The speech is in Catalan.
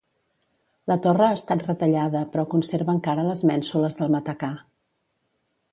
La torre ha estat retallada però conserva encara les mènsules del matacà.